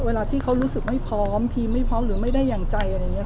เวลาที่เขารู้สึกไม่พร้อมทีมไม่พร้อมหรือไม่ได้อย่างใจอะไรอย่างนี้